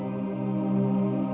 tentang apa yang terjadi